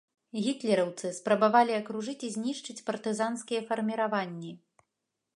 Гітлераўцы спрабавалі акружыць і знішчыць партызанскія фарміраванні.